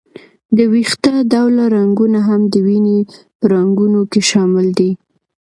د وېښته ډوله رګونه هم د وینې په رګونو کې شامل دي.